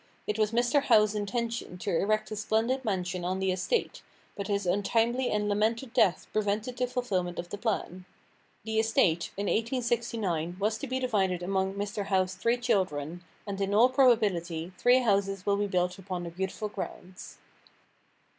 It was Mr. Howe's intention to erect a splendid mansion on the estate, but his untimely and lamented death prevented the fulfilment of the plan. The estate (in 1869) was to be divided among Mr. Howe's three children and in all probability three houses will be built upon the beautiful grounds.